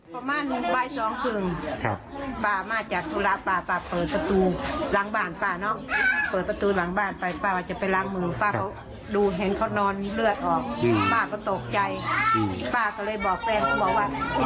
ส่วนญาติของผู้ตายนะคะคนนี้ค่ะเป็นน้าน้าของผู้ตายบอกว่าเสียใจมากที่เกิดเหตุการณ์แบบนี้